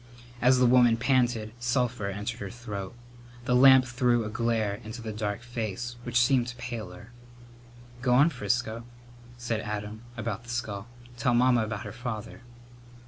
As the woman panted sulphur entered her throat. The lamp threw a glare into the dark face, which seemed paler. "Go on, Frisco," said Adam, about the skull, "tell Mamma about her father."